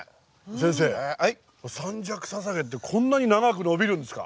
先生三尺ササゲってこんなに長く伸びるんですか？